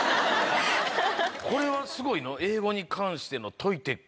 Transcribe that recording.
これはすごいの？